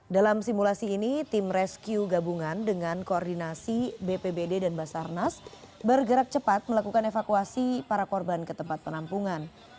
dalam simulasi ini tim rescue gabungan dengan koordinasi bpbd dan basarnas bergerak cepat melakukan evakuasi para korban ke tempat penampungan